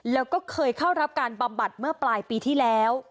แล้วก็เคยเข้ารับการบำบัดเมื่อปลายปีที่แล้ว